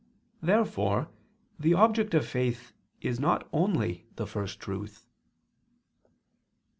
Therefore the object of faith is not only the First Truth.